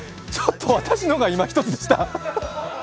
ちょっと私の方が、いまひとつでした。